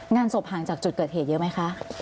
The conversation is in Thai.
งานศพห่างจากจุดเกิดเหตุเยอะไหมคะ